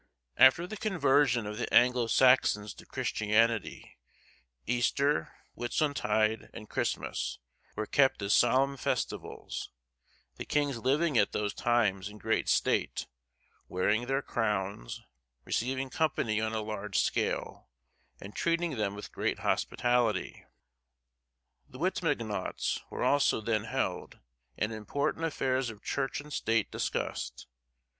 After the conversion of the Anglo Saxons to Christianity, Easter, Whitsuntide, and Christmas, were kept as solemn festivals; the kings living at those times in great state, wearing their crowns, receiving company on a large scale, and treating them with great hospitality. The Wittenagemots were also then held, and important affairs of church and state discussed.